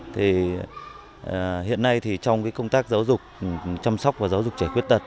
thì hiện nay thì trong cái công tác giáo dục chăm sóc và giáo dục trẻ khuyết tật